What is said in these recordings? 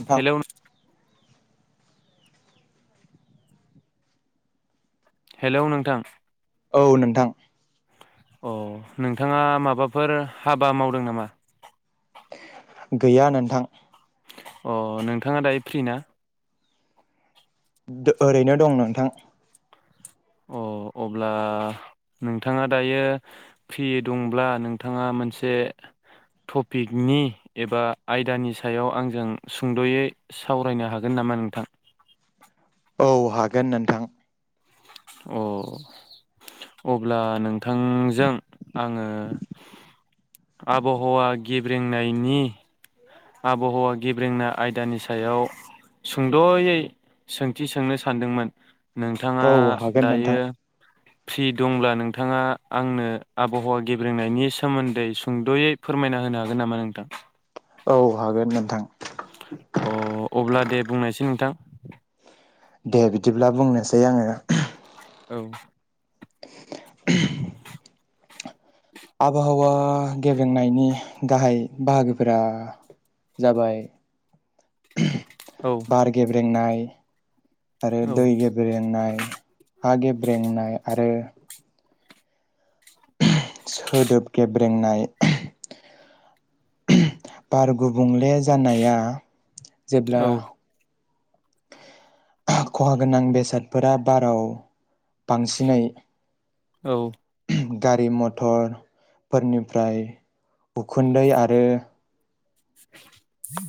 नोंथां हेलौ नों हेलौ नोंथां औ नोंथां अ नोंथाङा माबाफोर हाबा मावदों नामा? गैया नोन्थां अ नोंथाङा दायो फ्रि ना? दो‌ ओरैनो दं नोंथां। अ अब्ला नोंथाङा दायो फ्रि दंब्ला नोंथाङा मोनसे टपिकनि एबा आयदानि सायाव आंजों सुंदयै सावरायनो हागोन नामा नोंथां? औ हागोन नोन्थां। अ अब्ला नोंथांजों आङो। आबहावा गेब्रेंनायनि‌ आबहावा गेब्रेंना आयदानि सायाव सुंदयै सोंथि सोंनो सानदोंमोन। नोंथाङा औ हागोन नोंथां दायो फ्रि दंब्ला नोंथाङा आंनो आबहावा गेब्रेंनायनि सोमोन्दै सुंदयै फोरमायना होनो हागोन नामा नोंथां? औ हागोन नोंथां। अ अब्ला दे बुंनायसै नोंथां। दे बिदिब्ला बुंनोसै आङो। औ [inaudible] आबहावा गेब्रेंनायनि गाहाय बाहागोफोरा जाबाय। औ बार गेब्रेंनाय [inaudible] आरो औ दै गेब्रेंनाय हा गेब्रेंनाय आरो सोदोब गेब्रेंनाय बार गुबुंले जानाया जेब्ला औ खहा गोनां बेसादफोरा बाराव बांसिनै औ गारि मथरफोरनिफ्राय उखुन्दै आरो [inaudible]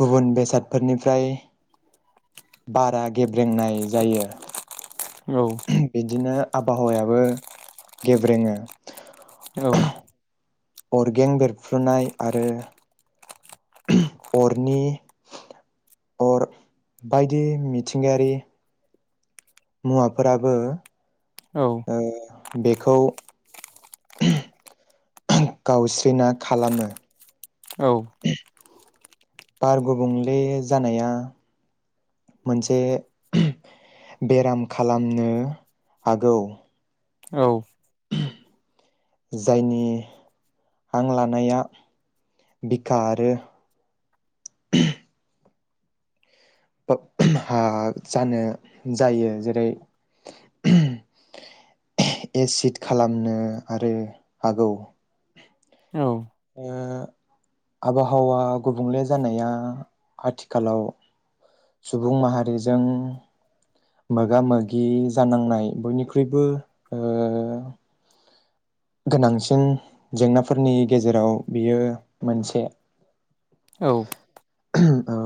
गुबुन बेसादफोरनिफ्राय बारा [unintelligible] रोंनाय जायो बिदिनो आबहावायाबो गेब्रेङो। औ अरगें बेरफ्रुनाय आरो [inaudible] अरनि, अर बायदि मिथिंगायारि मुवाफोराबो औ ओ बेखौ [unintelligible] गावस्रिना खालामो। औ बार गुबुंले जानाया मोनसे बेराम खालामनो हागौ। औ। जायनि हां लानाया बिखा आरो हा जानो जायो जेरै उहुम [unintelligible] एसिड खालामनो आरो हागौ। औ। ओ आबहावा गुबुंले जानाया आथिखालाव सुबुं माहारिजों मोगा मोगि जानांनाय बयनिख्रुइबो ओ गोनांसिन जेंनाफोरनि गेजेराव बियो मोनसे औ [inaudible] ओ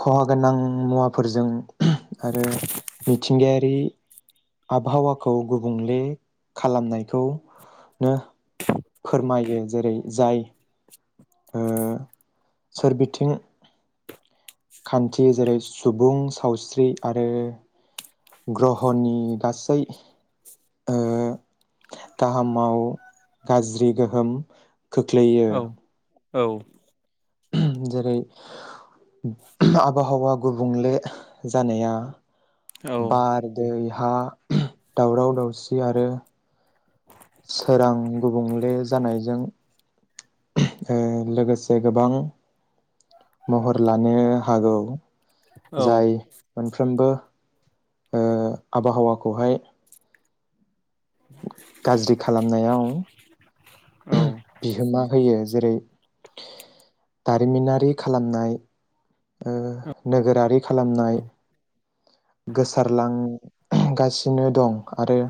खहा गोनां मुवाफोरजों आरो मिथिंगायारि आबहावाखौ गुबुंले खालामनायखौ नो फोरमायो जेरै जाय ओ सोरबिथिं खान्थि जेरै सुबुं सावस्रि आरो ग्रहनि गासै ओ गाहामाव गाज्रि गोहोम खोख्लैयो। औ जेरै आबहावा गुबुंले जानाया बार दै हा दावराव दावसि आरो सोरां गुबुंले जानायजों, [inaudible] ओ लोगोसे गोबां महर लानो हागौ। औ जाय मोनफ्रोमबो, ओ आबहावाखौहाय गाज्रि खालामनायाव बिहोमा होयो जेरै [inaudible] दारिमिनारि खालामनाय ओ नोगोरारि खालामनाय। गोसारलां गासिनो दं आरो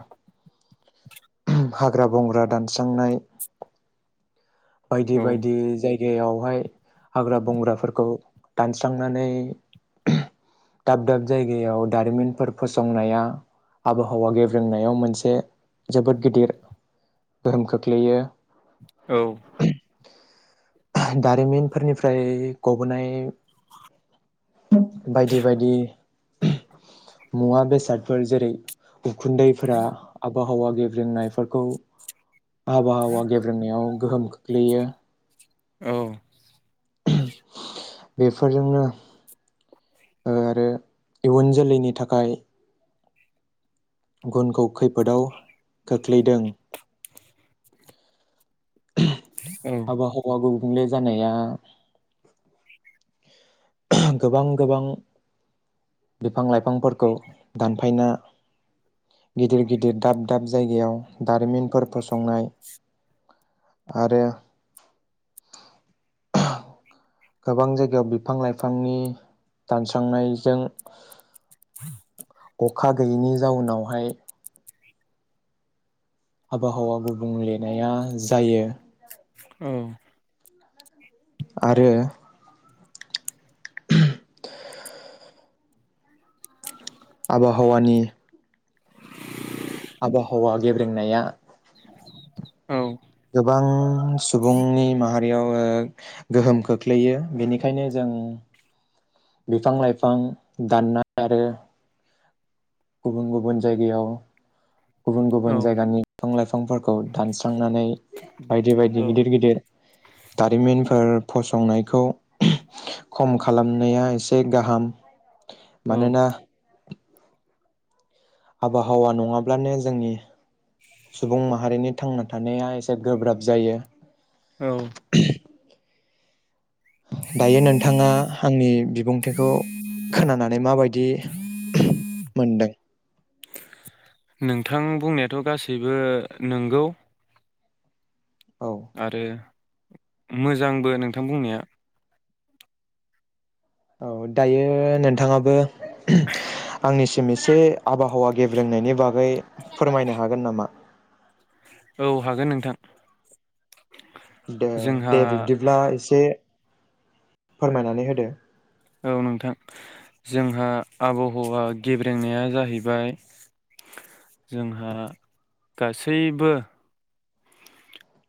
हाग्रा बंग्रा दानस्रांनाय बायदि बायदि जायगायावहाय हाग्रा बंग्राफोरखौ दानस्रांनानै, [inaudible] दाब दाब जायगायाव दारिमिनफोर फसंनाया आबहावा गेब्रेंनायाव मोनसे जोबोद गिदिर गोहोम खोख्लैयो। औ। दारिमिनफोरनिफ्राय गबोनाय, [inaudible] बायदि बायदि मुवा बेसादफोर जेरै उखुन्दैफोरा आबहावा गेब्रोंनायफोरखौ आबहावा गेब्रेंनायाव गोहोम खोख्लैयो। [unintelligible] बेफोरजोंनो [inaudible] आरो इयुन जोलैनि थाखाय गुनखौ खैफोदाव खोख्लैदों। [inaudible] आबहावा गुबुंले जानाया गोबां गोबां बिफां लाइफांफोरखौ दानफायना गिदिर गिदिर दाब दाब जायगायाव दारिमिनफोर फसंनाय आरो [unintelligible] गोबां जायगायाव बिफां लाइफांनि दानस्रांनायजों [inaudible] अखा गैयिनि जाउनावहाय आबहावा गुबुंलेनाया जायो। आरो आबहावानि आबहावा गेब्रेंनाया गोबां सुबुंनि माहारियाव ओ गोहोम खोख्लैयो बेनिखायनो जों बिफां-लाइफां दाननाय आरो गुबुन गुबुन जायगायाव गुबुन गुबुन जायगानि बिफां लाइफां फांफोरखौ दानस्रांनानै बायदि बायदि गिदिर गिदिर दारिमिनफोर फसंनायखौ खम खालामनाया एसे गाहाम। औ मानोना आबहावा नङाब्लानो जोंनि सुबुं माहारिनि थांना थानाया एसे गोब्राब जायो। औ दायो नोंथाङा आंनि बिबुंथिखौ खोनानानै माबायदि मोनदों? नोंथां बुंनायाथ गासैबो नंगौ औ मोजांबो नोंथां बुंनाया। औ दायो नोंथाङाबो आंनिसिम एसे आबहावा गेबेंनायनि बागै फोरमायनो हागोन नामा? औ हागोन नोंथां। दे जोंहा दे बिब्दिब्ला एसे फोरमायनानै होदो औ नोंथां जोंहा आबहावा गेब्रेंनाया जाहैबाय जोंहा गासैबो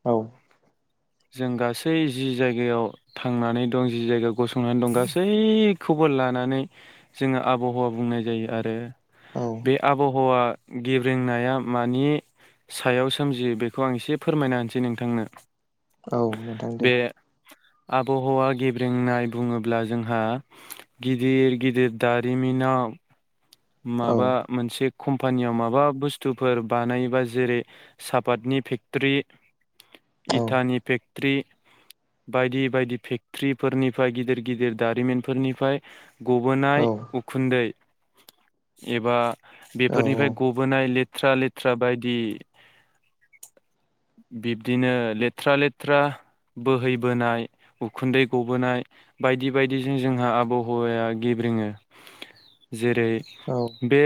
औ जों गासै जि जायगायाव थांनानै दं जि जायगायाव गसंनानै दं गासैखौबो लानानै जोंङो आबहावा बुंनाय जायो। आरो बे औ आबहावा गेब्रेंनाया मानि सायाव सोमजियो बेखौ आं एसे फोरमायना होनसै नोंथांनो। औ नोंथां दे बे आबहावा गेब्रेंनाय बुङोब्ला जोंहा गिदिर गिदिर दारिमिनाव औ माबा मोनसे कम्पानियाव माबा बुस्थुफोर बानायोबा जेरै सापातनि फेक्ट्री। औ इटानि पेक ट्रि बायदि बायदि फेक्ट्रिफोरनिफ्राय गिदिर गिदिर दारिमिनफोरनिफ्राय गबोनाय औ उखुन्दै एबा बेफोरनिफ्राय गबोनाय ले थ्रा लेथ्रा बायदि बिब्दिनो लेथ्रा लेथ्रा बोहैबोनाय उखुन्दै गबोनाय बायदि बायदिजों जोंहा आबहावाया गेब्रेङो जेरै औ बे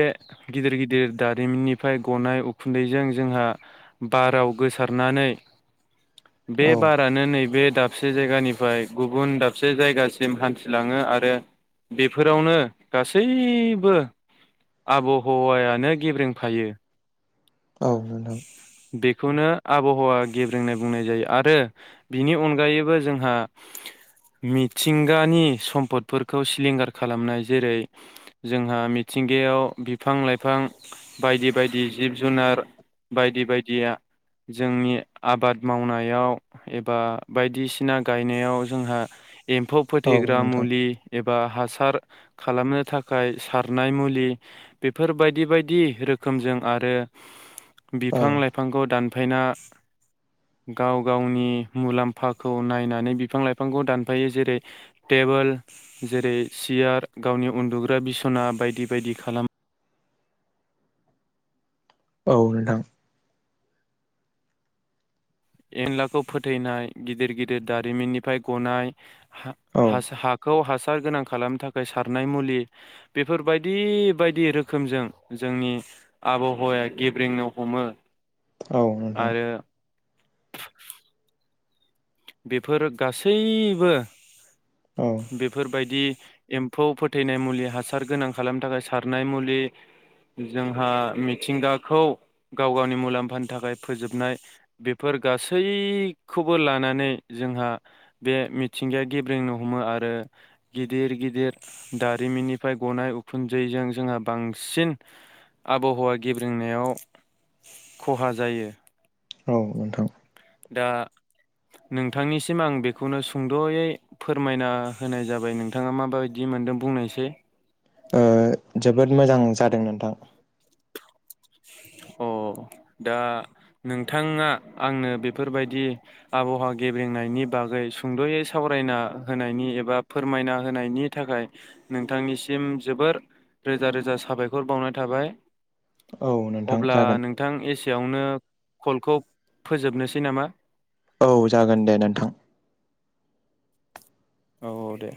गिदिर गिदिर दारिमिननिफ्राय गनाय उखुन्दैजों जोंहा बाराव गोसारनानै बे औ बारानो नैबे दाबसे जायगानिफ्राय गुबुन दाबसे जायगासिम हान्थिलाङो आरो बेफोरावनो गासैबो आबहावायानो गेब्रेंफायो। औ नोंथां खौनो आबहावा गेब्रेंनाय बुंनाय जायो। आरो बिनि अनगायैबो जोंहा मिथिंगानि सम्पदफोरखौ सिलिंगार खालामनाय जेरै जोंहा मिथिंगायाव बिफां लाइफां बायदि बायदि जिब जुनार बायदि बायदिया जोंनि आबाद मावनायाव एबा बायदिसिना गायनायाव जोंहा एम्फौ औ फोथैग्रा नोंथां मुलि एबा हासार खालामनो थाखाय सारनाय मुलि बेफोरबायदि बायदि रोखोमजों आरो औ बिफां लाइफांखौ दानफायना गाव गावनि मुलाम्फाखौ नायनानै बिफां लाइफांखौ दानफायो जेरै टेबोल जेरै सियार गावनि उन्दुग्रा बिसना बायदि बायदि खालामो। औ नोंथां एनलाखौ फोथैनाय गिदिर गिदिर दारिमिननिफ्राय गनाय हा औ हास-हाखौ हास सार गोनां खालामनो थाखाय सारनाय मुलि बेफोरबायदि बायदि रोखोमजों जोंनि आबहावाया गेब्रेंनो हमो। औ नोंथां आरो बेफोर गासैबो औ बेफोर बायदि एम्फौ फोथैनाय मुलि हासार गोनां खालामनो थाखाय सारनाय मुलि जोंहा मिथिंगाखौ गाव गावनि मुलाम्फानि थाखाय फोजोबनाय बेफोर गासैखौबो लानानै जोंहा बे मिथिंगाया गेब्रेंनो हमो आरो गिदिर गिदिर दारिमिननिफ्राय गनाय उखुन्दैजों जोंहा बांसिन आबहावा गेब्रेंनायाव खहा जायो औ नोंथां दा नोंथांनिसिम आं बेखौनो सुंद'यै फोरमायना होनाय जाबाय नोंथाङा माबायदि मोनदों बुंनायसै ओ जोबोद मोजां जादों नोंथां अ दा नोंथाङा आंनो बेफोरबायदि आबहावा गेब्रेंनायनि बागै सुंद'यै सावरायना होनायनि एबा फोरमायना होनायनि थाखाय नोंथांनिसिम जोबोर रोजा रोजा साबायखर बावनाय थाबाय औ नोंथां अब्ला जागोन नोंथां एसेयावनो कलखौ फोजोबनोसै नामा औ जागोन दे नोंथां औ औ दे